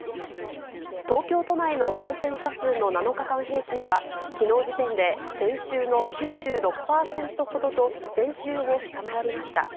東京都内の感染者数の７日間平均は、きのう時点で前週の９６％ほどと、前週を下回りました。